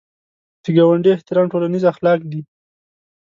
د ګاونډي احترام ټولنیز اخلاق دي